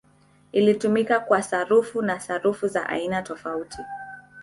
Ilitumika kwa sarafu na sarafu za aina tofauti.